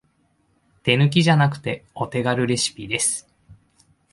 手抜きじゃなくてお手軽レシピです